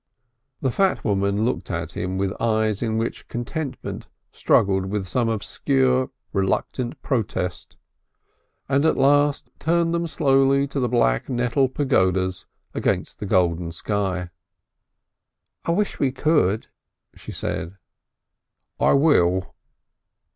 The fat woman looked at him with eyes in which contentment struggled with some obscure reluctant protest, and at last turned them slowly to the black nettle pagodas against the golden sky. "I wish we could," she said. "I will."